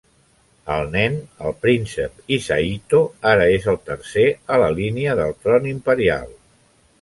El nen, el príncep Hisahito, ara és el tercer a la línia del Tron Imperial.